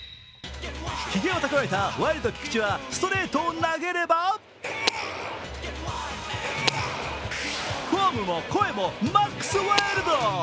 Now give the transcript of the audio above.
ひげをたくわえたワイルド菊池はストレートを投げればフォームも声もマックスワイルド。